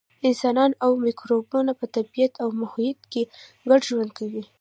انسانان او مکروبونه په طبیعت او محیط کې ګډ ژوند کوي.